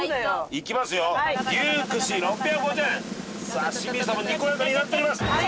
さあ清水さんもにこやかになっております。